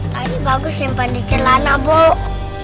tadi bagus simpen di celana bok